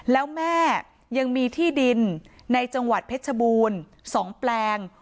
แล้วแม่ยังมีที่ดินในจังหวัดเพชรบูรณ์๒แปลง